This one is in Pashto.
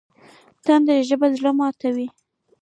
تنده ژبه زړه ماتوي